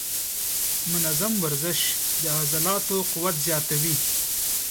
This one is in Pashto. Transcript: منظم ورزش د عضلاتو قوت زیاتوي.